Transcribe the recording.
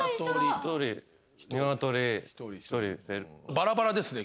バラバラですね。